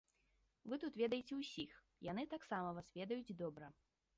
Вы тут ведаеце ўсіх, яны таксама вас ведаюць добра.